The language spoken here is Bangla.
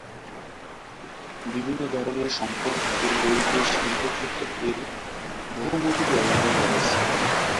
বিভিন্ন ধরনের সংকর ধাতু তৈরিতে শিল্পক্ষেত্রে এর বহুমুখী ব্যবহার রয়েছে।